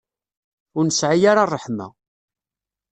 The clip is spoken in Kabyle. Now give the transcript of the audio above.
Ur nesɛi ara ṛṛeḥma.